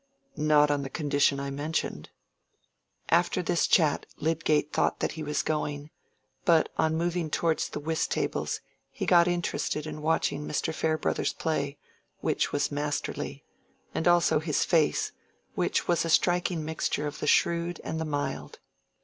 "Not on the condition I mentioned." After this chat Lydgate thought that he was going, but on moving towards the whist tables, he got interested in watching Mr. Farebrother's play, which was masterly, and also his face, which was a striking mixture of the shrewd and the mild.